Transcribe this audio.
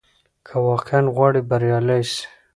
که واقعاً غواړې بریالی سې،